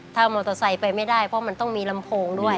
ถ้ามอเตอร์ไซค์ไปไม่ได้เพราะมันต้องมีลำโพงด้วย